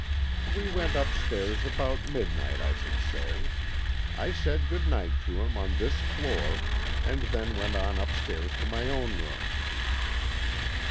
"We went upstairs about midnight, I should say. I said good night to him on this floor and then went on upstairs to my own room."